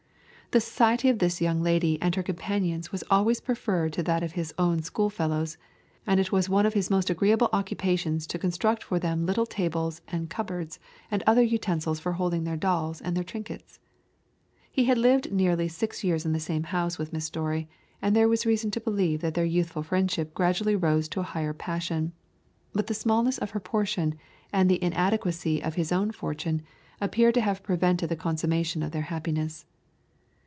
The society of this young lady and her companions was always preferred to that of his own school fellows, and it was one of his most agreeable occupations to construct for them little tables and cupboards, and other utensils for holding their dolls and their trinkets. He had lived nearly six years in the same house with Miss Storey, and there is reason to believe that their youthful friendship gradually rose to a higher passion; but the smallness of her portion, and the inadequacy of his own fortune, appear to have prevented the consummation of their happiness.